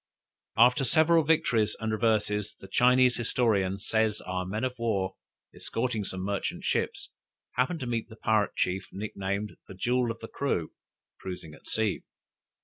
After several victories and reverses, the Chinese historian says our men of war escorting some merchant ships, happened to meet the pirate chief nicknamed "The Jewel of the Crew" cruising at sea.